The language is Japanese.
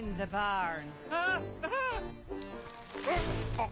あっ！